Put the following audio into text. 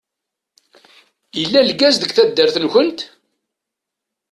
Yella lgaz deg taddart-nkent?